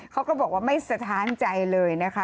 เขาก็บอกว่าไม่สะท้านใจเลยนะคะ